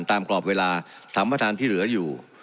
ตามกรอบเวลา๓บริษัทที่เหลืออยู่